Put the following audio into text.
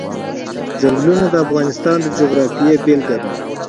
ځنګلونه د افغانستان د جغرافیې بېلګه ده.